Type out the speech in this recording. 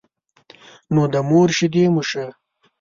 نو د مور شيدې مو شه.